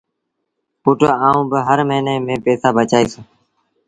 پُٽ آئوٚݩ با هر موهيݩي ميݩ پئيٚسآ بچآئيٚس۔